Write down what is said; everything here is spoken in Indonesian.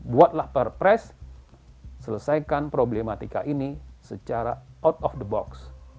buatlah perpres selesaikan problematika ini secara out of the box